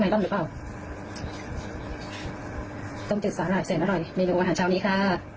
ไม้ต้มหรือเปล่าต้มจืดสาลายเสียงอร่อยเมนูวันหาเช้านี้ค่ะ